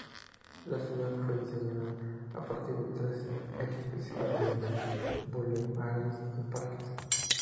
La ciudad fue diseñada a partir de tres ejes principales con bulevares y parques.